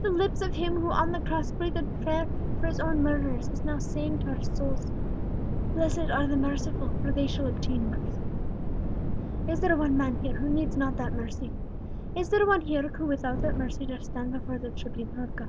The lips of Him who on the cross breathed a prayer for His own murderers, is now saying to our souls, 'Blessed are the merciful: for they shall obtain mercy.' Is there one man here who needs not that mercy is there one here who without that mercy dare stand before the tribunal of God?"